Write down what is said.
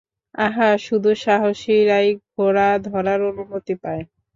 আঁহা, শুধু সাহসীরাই ঘোড়া ধরার অনুমতি পায়।